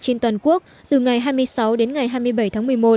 trên toàn quốc từ ngày hai mươi sáu đến ngày hai mươi bảy tháng một mươi một